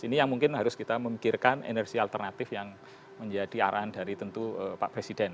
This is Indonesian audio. ini yang mungkin harus kita memikirkan energi alternatif yang menjadi arahan dari tentu pak presiden